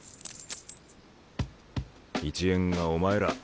一円がお前ら。